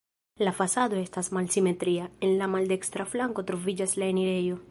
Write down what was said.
La fasado estas malsimetria, en la maldekstra flanko troviĝas la enirejo.